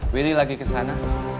willy lagi kesana